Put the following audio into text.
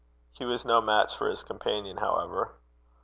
He was no match for his companion, however.